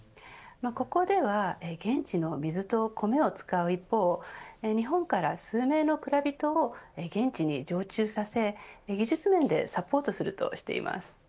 ここでは現地の水と米を使う一方日本から数名の蔵人を現地に常駐させ技術面でサポートしています。